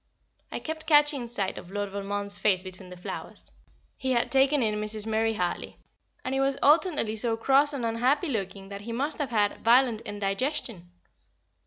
I kept catching sight of Lord Valmond's face between the flowers he had taken in Mrs. Murray Hartley and it was alternately so cross and unhappy looking, that he must have had violent indigestion.